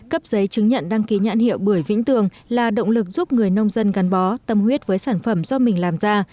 cấp giấy chứng nhận đăng ký nhãn hiệu bưởi vĩnh tường là động lực giúp người nông dân gắn bó tâm huyết với sản phẩm do mình làm ra